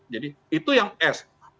jadi itu yang s